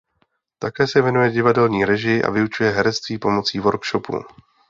Také se věnuje divadelní režii a vyučuje herectví pomocí workshopů.